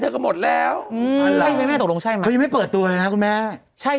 จ้อนาตลอดเลยเนี๊ยะขวัญเนี่ย